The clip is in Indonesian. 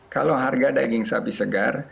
kalau harga daging sapi segar